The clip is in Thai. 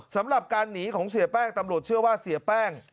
สำหรับการหนีของเสียแป้งตำรวจเชื่อว่าเสียแป้ง